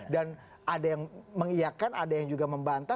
dan ada yang mengiyakan ada yang juga membanta